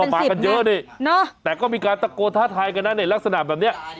มากันเยอะนี่แต่ก็มีการตะโกนท้าทายกันนะในลักษณะแบบนี้